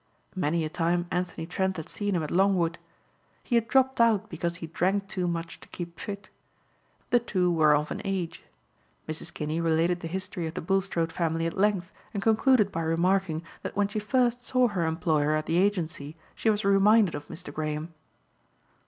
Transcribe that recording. Many a time Anthony Trent had seen him at Longwood. He had dropped out because he drank too much to keep fit. The two were of an age. Mrs. Kinney related the history of the Bulstrode family at length and concluded by remarking that when she first saw her employer at the agency she was reminded of Mr. Graham.